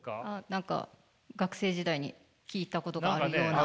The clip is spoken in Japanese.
何か学生時代に聞いたことがあるような。